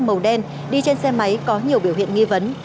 màu đen đi trên xe máy có nhiều biểu hiện nghi vấn